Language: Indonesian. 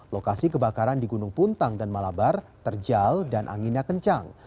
lokasi kebakaran di gunung puntang dan malabar terjal dan anginnya kencang